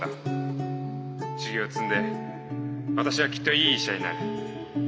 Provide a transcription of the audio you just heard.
修業を積んで私はきっといい医者になる。